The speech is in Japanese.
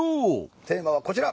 テーマはこちら！